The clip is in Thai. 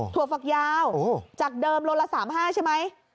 ฝักยาวจากเดิมโลละ๓๕ใช่ไหม